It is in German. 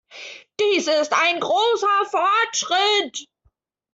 Dies ist ein großer Fortschritt.